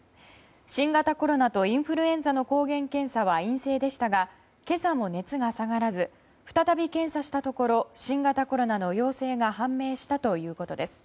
新型コロナとインフルエンザの抗原検査は陰性でしたが今朝も熱が下がらず再び検査したところ新型コロナの陽性が判明したということです。